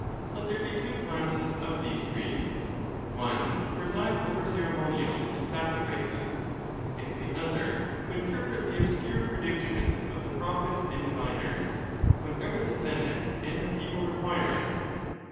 Let there be two classes of these priests, one to preside over ceremonials and sacrifices, and the other to interpret the obscure predic~ tions of the prophets and diviners, whenever the senate and the people require it.